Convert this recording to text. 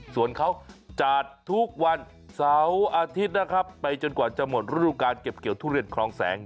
ส่วนเขาจัดทุกวันเสาร์อาทิตย์นะครับไปจนกว่าจะหมดฤดูการเก็บเกี่ยวทุเรียนคลองแสง